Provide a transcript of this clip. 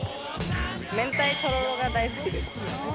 明太とろろが大好きです。